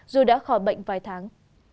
dù đã khỏi bệnh vài tháng